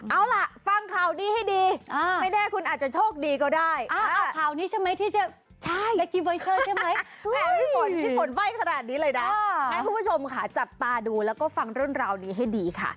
เอาละฟังข่าวนี้ให้ดีไม่แน่คุณอาจจะโชคดีก็ได้